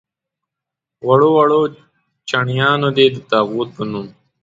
وړو وړو چڼیانو دې د طاغوت په نوم.